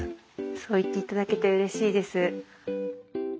そう言っていただけてうれしいです。